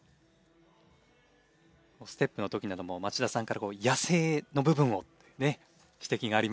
ステップの時なども町田さんからこう野生の部分をね指摘がありましたけれども。